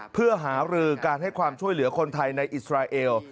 เพื่อหารือการให้ความช่วยเหลือคนไทยในอิสราเอล